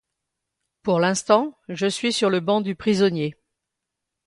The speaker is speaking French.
Pour l’instant, je suis sur le banc du prisonnier.